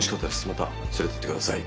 また連れてってください。